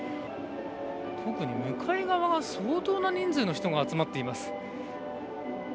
特に向かい側は相当な人数の人が集まっています。